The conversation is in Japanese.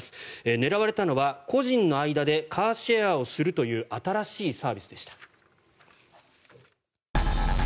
狙われたのは個人の間でカーシェアをするという新しいサービスでした。